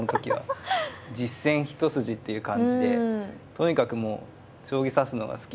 とにかくもう将棋指すのが好きで。